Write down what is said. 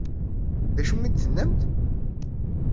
D acu i d-tennamt?